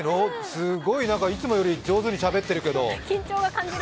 すごいいつもより上手にしゃべってるけど。